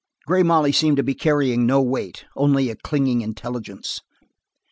Grey Molly seemed to be carrying no weight, only a clinging intelligence.